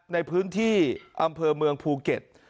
ในพื้นที่อำเภอเมืองภูเก็ต